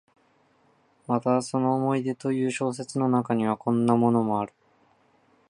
またその「思い出」という小説の中には、こんなのもある。